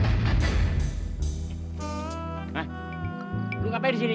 hah lo ngapain disini